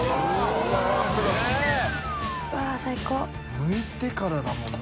むいてからだもんな。